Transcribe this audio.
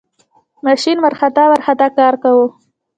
ماشین ورخطا ورخطا کار کاوه.